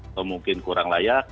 atau mungkin kurang layak